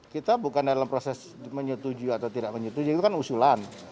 kita bukan dalam proses menyetujui atau tidak menyetujui itu kan usulan